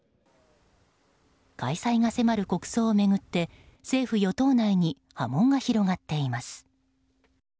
開催が迫る国葬を巡って政府・与党内に波紋が広がっています。